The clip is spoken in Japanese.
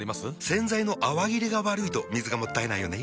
洗剤の泡切れが悪いと水がもったいないよね。